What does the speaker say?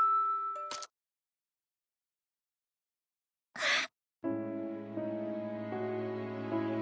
あっ！